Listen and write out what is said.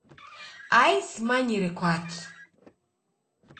Ai Simanyire kwaki.